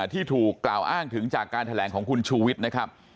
ที่ถูกกล่าวอ้างถึงจากการแถลงของคุณชูวิทย์นะครับ